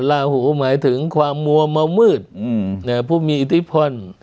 ลาหูหมายถึงความมัวมามืดผู้มีอิทธิพล